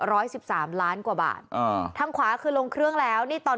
สิบสามล้านกว่าบาทอ่าทางขวาคือลงเครื่องแล้วนี่ตอน